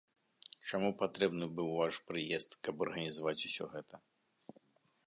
Чаму патрэбны быў ваш прыезд, каб арганізаваць усё гэта?